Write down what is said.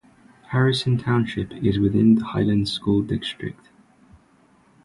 Harrison Township is within the Highlands School District.